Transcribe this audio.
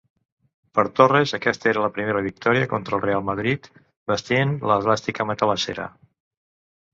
Per Torres, aquesta era la primera victòria contra el Reial Madrid vestint l'elàstica matalassera.